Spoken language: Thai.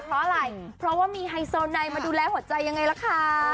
เพราะอะไรเพราะว่ามีไฮโซไนมาดูแลหัวใจยังไงล่ะคะ